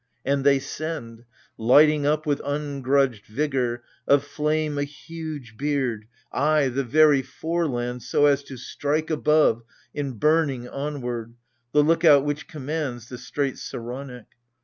And they send, lighting up with ungrudged vigour, Of flame a huge beard, ay, the very foreland So as to strike above, in burning onward, The look out which commands the Strait Saronic.